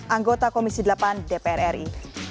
anggota komisi delapan dpr ri